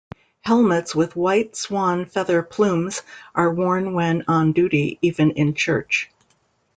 Helmets with white swan feather plumes are worn when on duty, even in church.